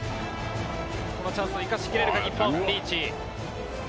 このチャンスを生かし切れるか日本、リーチ。